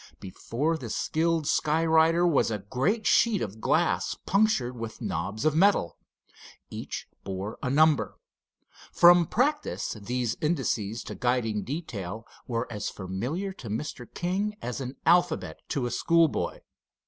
Before the skilled sky rider was a great sheet of glass punctured with knobs of metal. Each bore a number. From practice, these indices to guiding detail were as familiar to Mr. King as an alphabet to a schoolboy.